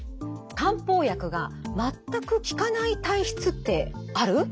「漢方薬が全く効かない体質ってある？」。